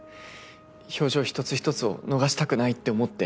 表情一つ一つを逃したくないって思って。